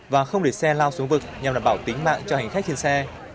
và không để xe lao xuống vực nhằm đảm bảo tính mạng cho hành khách trên xe